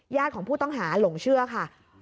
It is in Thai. ของผู้ต้องหาหลงเชื่อค่ะ